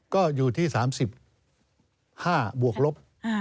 ก็อยู่ที่๓๕บวกลบ